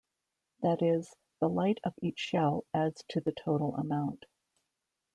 That is, the light of each shell adds to the total amount.